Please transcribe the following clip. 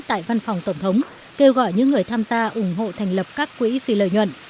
tại văn phòng tổng thống kêu gọi những người tham gia ủng hộ thành lập các quỹ vì lợi nhuận